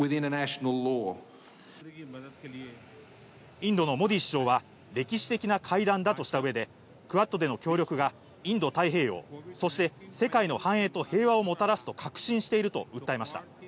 インドのモディ首相は、歴史的な会談だとしたうえで、クアッドでの協力がインド太平洋、そして世界の繁栄と平和をもたらすと確信していると訴えました。